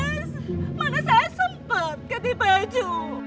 mana saya sempet ganti baju